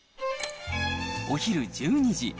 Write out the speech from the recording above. お昼１２時。